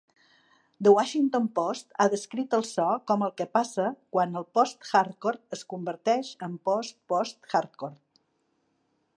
"The Washington Post" ha descrit el so com "el que passa quan el post-hardcore és converteix en post-post-hardcore".